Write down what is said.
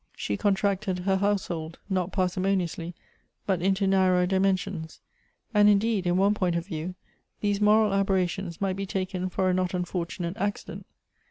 She contracted her household, not parsimoniously, but into narrower dimensions; and, indeed, in one point of view, these moral aberrations might be taken for a not unfortunate accident.